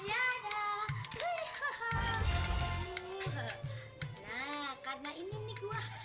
nah karena ini nih gua